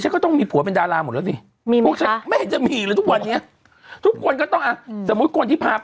มันก็ไม่จำเป็นป่ะ